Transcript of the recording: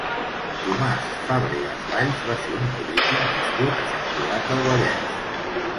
Tomàs Fàbregas Valls va ser un polític nascut a Sant Cugat del Vallès.